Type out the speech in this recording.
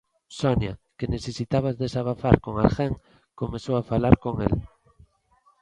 Sonia, que necesitaba desabafar con alguén comezou a falar con el.